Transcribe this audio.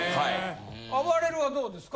あばれるはどうですか？